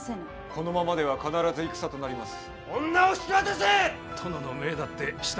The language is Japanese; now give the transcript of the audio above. このままでは必ず戦となります。